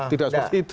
tidak seperti itu